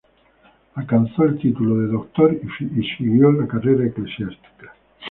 Alcanzó el título de doctor y siguió la carrera eclesiástica.